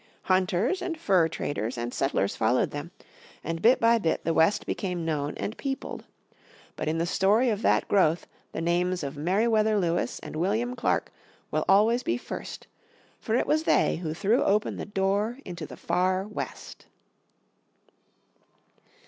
Hunters, and fur traders, and settlers followed them, and bit by bit the West became known and peopled. But in the story of that growth the names of Merriwether Lewis and William Clark will always be first, for it was they who threw open the door into the Far West.